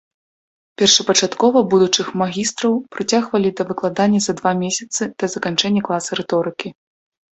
Першапачаткова будучых магістраў прыцягвалі да выкладання за два месяцы да заканчэння класа рыторыкі.